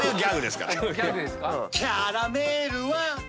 「キャラメルは」